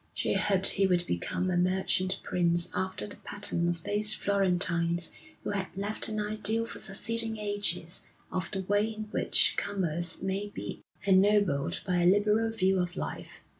She hoped he would become a merchant prince after the pattern of those Florentines who have left an ideal for succeeding ages of the way in which commerce may be ennobled by a liberal view of life.